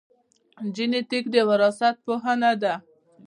جینېټیک د وراثت پوهنه ده